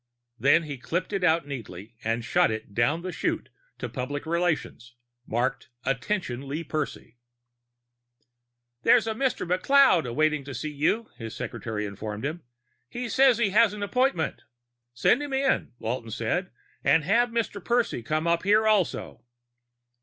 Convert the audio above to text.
Then he clipped it out neatly and shot it down the chute to public relations, marked Attention: Lee Percy. "There's a Mr. McLeod waiting to see you," his secretary informed him. "He says he has an appointment." "Send him in," Walton said. "And have Mr. Percy come up here also."